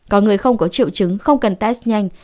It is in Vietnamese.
có người không có triệu chứng không cần test nhanh